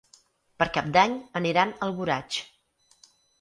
Per Cap d'Any aniran a Alboraig.